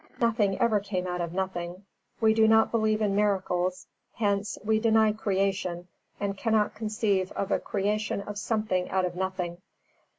Nothing ever came out of nothing. We do not believe in miracles; hence we deny creation, and cannot conceive of a creation of something out of nothing.